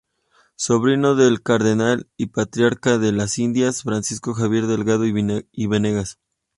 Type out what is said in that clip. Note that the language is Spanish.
Sobrino del cardenal- y patriarca de las Indias, Francisco Javier Delgado y Venegas.